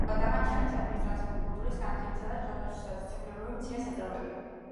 დაბაში არის ადმინისტრაციული, კულტურის, განათლების და ჯანდაცვის დაწესებულებები, მცირე საწარმოები.